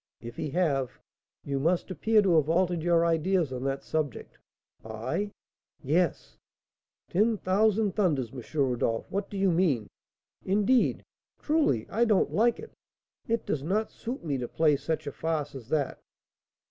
"If he have, you must appear to have altered your ideas on that subject." "I?" "Yes." "Ten thousand thunders! M. Rodolph, what do you mean? Indeed truly I don't like it; it does not suit me to play such a farce as that."